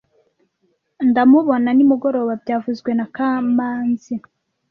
Ndamubona nimugoroba byavuzwe na kamanzi